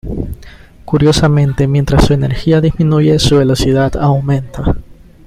Curiosamente, mientras su energía disminuye, su velocidad aumenta.